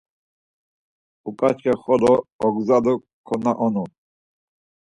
Uǩaçxe xolo ogzalu konaonu.